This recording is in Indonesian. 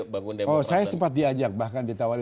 bangun demokrat oh saya sempat diajak bahkan ditawarin